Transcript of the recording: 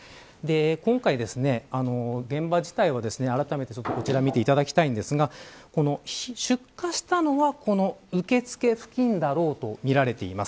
今回、現場自体はあらためて、こちら見ていただきたいんですが出火したのは、この受付付近だろうとみられています。